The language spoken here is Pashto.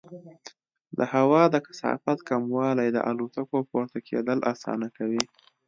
د هوا د کثافت کموالی د الوتکو پورته کېدل اسانه کوي.